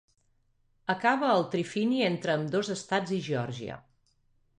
Acaba al trifini entre ambdós estats i Geòrgia.